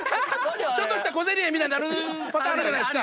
ちょっとした小競り合いになるパターンあるじゃないですか。